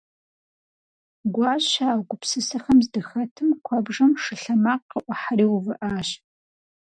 Гуащэ а гупсысэхэм здыхэтым куэбжэм шы лъэмакъ къыӏухьэри увыӏащ.